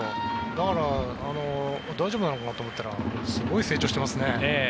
だから、大丈夫かなと思ったらすごい成長してますね。